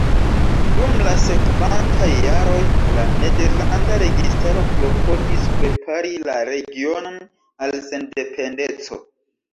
Dum la sekvantaj jaroj la nederlanda registaro klopodis prepari la regionon al sendependeco.